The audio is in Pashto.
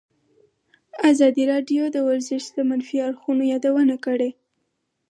ازادي راډیو د ورزش د منفي اړخونو یادونه کړې.